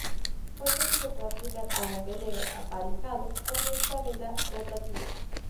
Fuerza que se puede aplicar a un velero aparejado con esta "vela" rotativa.